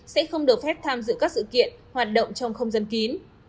sẽ không được phép tham dự các sự kiện hoạt động trong không gian kín